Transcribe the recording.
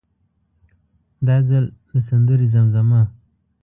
دا ځل د سندرې زمزمه.